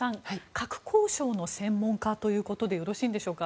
核交渉の専門家ということでよろしいんでしょうか。